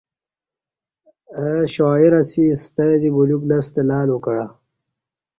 او شاعر اسی ستہ دی بلیوک لستہ لالو کعہ